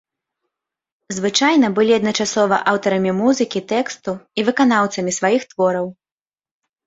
Звычайна былі адначасова аўтарамі музыкі, тэксту і выканаўцамі сваіх твораў.